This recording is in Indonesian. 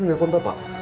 sebebru mana bok